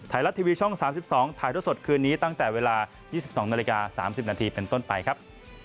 ถ่ายละทีวีช่อง๓๒ถ่ายทั่วสดคืนนี้ตั้งแต่เวลา๒๒น๓๐นเป็นต้นไปครับ